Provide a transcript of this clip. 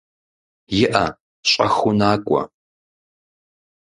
ИӀэ, щӀэхыу накӏуэ.